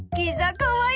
かわいい！